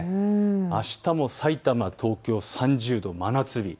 あしたもさいたま、東京３０度、真夏日。